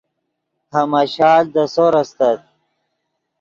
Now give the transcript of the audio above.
ہماشال دے سور استت